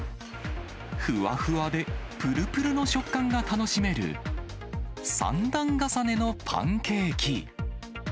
ふわふわでぷるぷるの食感が楽しめる、３段重ねのパンケーキ。